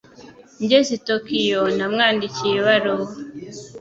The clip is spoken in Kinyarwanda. Ngeze i Tokiyo, namwandikiye ibaruwa.